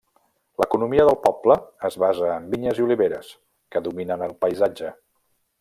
L'economia del poble es basa en vinyes i oliveres, que dominen el paisatge.